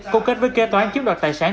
câu kết với kế toán chiếm đoạt tài sản